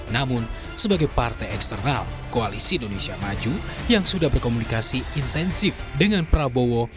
namun sebagai partai eksternal koalisi indonesia maju yang sudah berkomunikasi intensif dengan prabowo